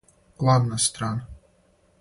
Главна страна